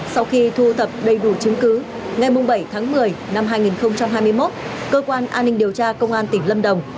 sau khi thu thập đầy đủ chứng cứ ngày bảy tháng một mươi năm hai nghìn hai mươi một cơ quan an ninh điều tra công an tỉnh lâm đồng